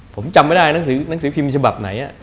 ผมจำไม่ได้หนังสือพิมพ์ฉบับไหน